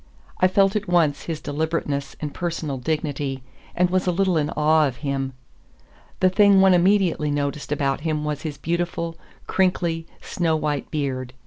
I felt at once his deliberateness and personal dignity, and was a little in awe of him. The thing one immediately noticed about him was his beautiful, crinkly, snow white beard.